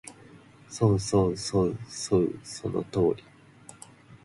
そうそうそうそう、その通り